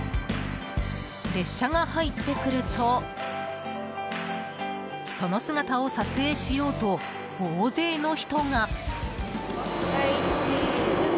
列車が入ってくるとその姿を撮影しようと大勢の人が。